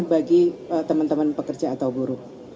bagi teman teman pekerja atau buruh